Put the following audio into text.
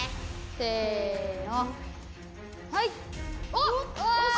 せの。